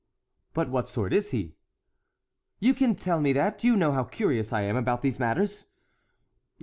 "But what sort is he? You can tell me that; you know how curious I am about these matters."